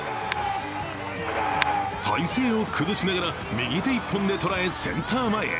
体勢を崩しながら、右手一本で捉え、センター前へ。